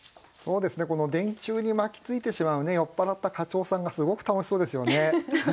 この電柱に巻きついてしまう酔っ払った課長さんがすごく楽しそうですよね。